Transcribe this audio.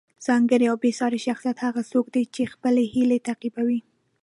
ځانګړی او بې ساری شخصیت هغه څوک دی چې خپلې هیلې تعقیبوي.